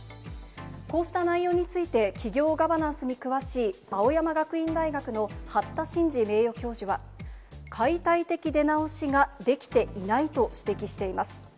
こうした内容について、企業ガバナンスに詳しい青山学院大学の八田進二名誉教授は、解体的出直しができていないと指摘しています。